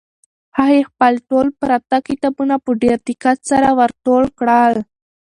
هغې خپل ټول پراته کتابونه په ډېر دقت سره ور ټول کړل.